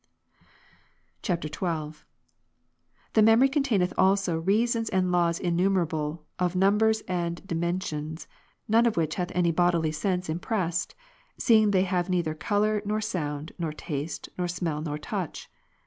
[XII.] 19. The memory containeth also reasons and laws innumerable of numbers and dimensions, none of which hath any bodily sense impressed; seeing they have neither colour, nor sound, nor taste, nor smell, nor touch.